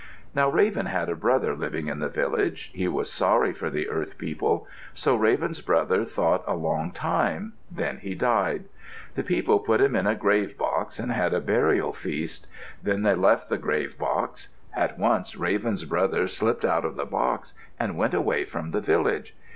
Now Raven had a brother living in the village. He was sorry for the earth people. So Raven's brother thought a long time. Then he died. The people put him in a grave box and had a burial feast. Then they left the grave box. At once Raven's brother slipped out of the box and went away from the village.